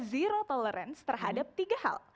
zero tolerance terhadap tiga hal